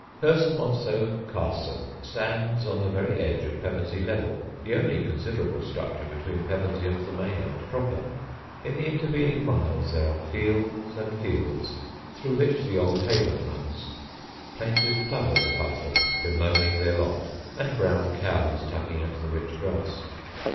Hurstmonceux Castle stands on the very edge of Pevensey Level, the only considerable structure between Pevensey and the main land proper. In the intervening miles there are fields and fields, through which the Old Haven runs, plaintive plovers above them bemoaning their lot, and brown cows tugging at the rich grass.